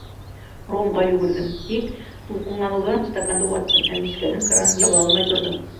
Ромға йүгерҙем, тик тулҡынланыуҙан стаканды ваттым һәм мискәнең кранын яба алмай торҙом.